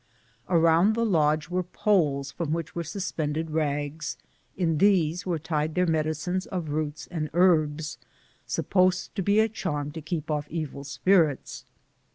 Around the lodge were poles from which were suspended rags; in these were tied their medi cines of roots and herbs, supposed to be a charm to keep off evil spirits.